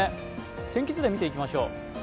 天気図で見ていきましょう。